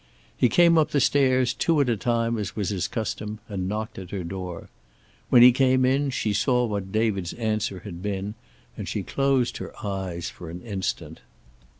He came up the stairs, two at a time as was his custom, and knocked at her door. When he came in she saw what David's answer had been, and she closed her eyes for an instant.